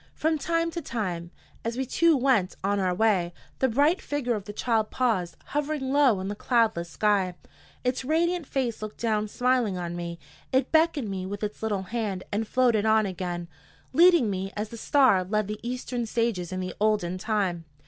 From time to time, as we two went on our way, the bright figure of the child paused, hovering low in the cloudless sky. Its radiant face looked down smiling on me; it beckoned with its little hand, and floated on again, leading me as the Star led the Eastern sages in the olden time.